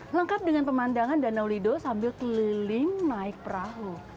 lengkap dengan pemandangan danau lido sambil keliling naik perahu